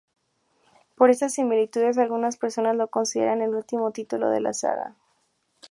Por estas similitudes algunas personas la consideran el último título de la saga.